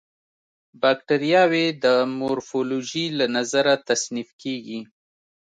باکټریاوې د مورفولوژي له نظره تصنیف کیږي.